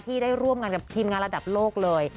ได้ร่วมกันกับทีมงานระดับโลกเลย